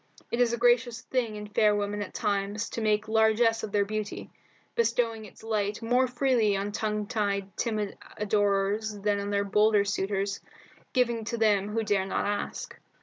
It is a gracious thing in fair women at times to make largesse of their beauty, bestowing its light more freely on tongue tied, timid adorers than on their bolder suitors, giving to them who dare not ask.